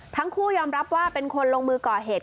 ทั้งคู่ยอมรับว่าเป็นคนลงมือก่อเหตุ